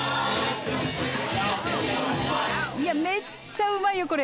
いやめっちゃうまいよこれ。